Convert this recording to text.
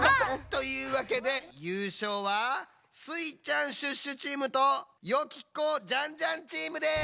というわけでゆうしょうはスイちゃん＆シュッシュチームとよき子＆ジャンジャンチームです！